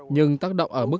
nhưng tác động ở mức nào